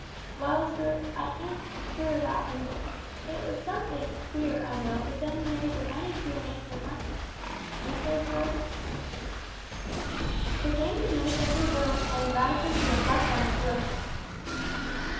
"Well, sir, I ain't sure of that neither. It was somethink queer, I know, but then there's a many queer names in London ain't, there, sir?" Sir James admitted that there were, and advised her to reflect on a few of them.